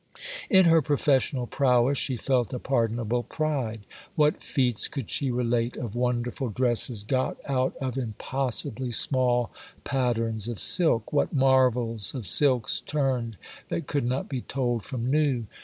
In her professional prowess she felt a pardonable pride. What feats could she relate of wonderful dresses got out of impossibly small patterns of silk! what marvels of silks turned that could not be told from new!